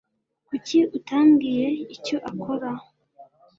Kuki utambwiye icyo ukora?